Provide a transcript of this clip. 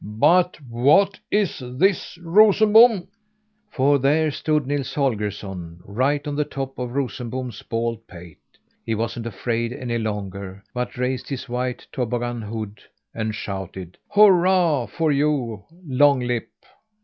But what is this, Rosenbom?" For there stood Nils Holgersson, right on the top of Rosenbom's bald pate. He wasn't afraid any longer; but raised his white toboggan hood, and shouted: "Hurrah for you, Longlip!"